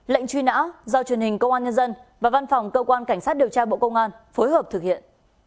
lệnh truy nã do truyền hình công an nhân dân và văn phòng cơ quan cảnh sát điều tra bộ công an phối hợp thực hiện